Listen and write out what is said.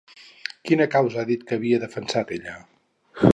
Quina causa ha dit que havia defensat ella?